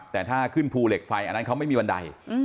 แต่ถ้าขึ้นภูเหล็กไฟอันนั้นเขาไม่มีบันได